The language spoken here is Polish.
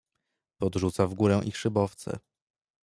Podrzuca w górę ich szybowce.